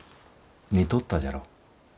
似とったじゃろう。